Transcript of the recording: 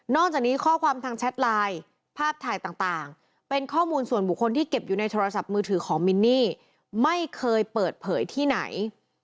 จากนี้ข้อความทางแชทไลน์ภาพถ่ายต่างเป็นข้อมูลส่วนบุคคลที่เก็บอยู่ในโทรศัพท์มือถือของมินนี่ไม่เคยเปิดเผยที่ไหน